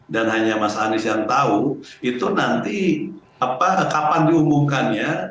dan hanya mas anies yang tahu itu nanti apa kapan dihubungkan ya